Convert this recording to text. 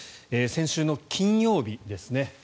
先週の金曜日です